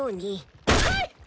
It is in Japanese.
はい！